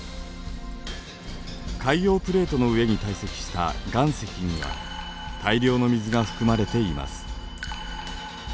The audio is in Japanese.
海洋プレートの上に堆積した岩石には大量の水が含まれています。